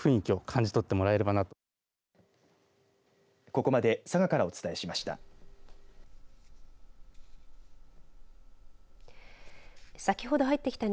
ここまで佐賀からお伝えしました。